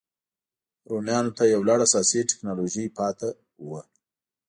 رومیانو ته یو لړ اساسي ټکنالوژۍ پاتې وو.